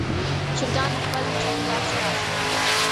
چرګان د خپل چاپېریال سره اشنا دي.